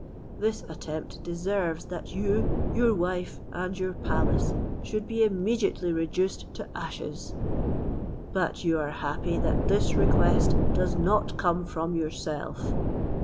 This attempt deserves that you, your wife, and your palace, should be immediately reduced to ashes: but you are happy that this request does not come from yourself.